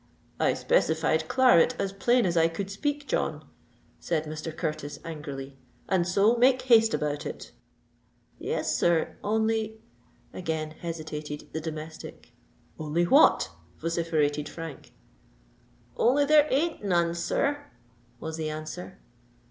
"I specified claret as plain as I could speak, John," cried Mr. Curtis angrily; "and so make haste about it." "Yes, sir,—only—" again hesitated the domestic. "Only what?" vociferated Frank. "Only there ain't none, sir," was the answer.